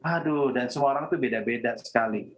aduh dan semua orang itu beda beda sekali